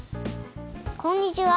こんにちは。